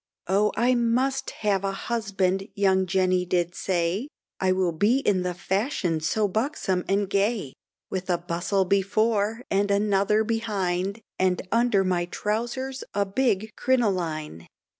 Oh, I must have a husband young Jenny did say, I will be in the fashion so buxom and gay, With a bustle before and another behind, And under my trousers a big crinoline.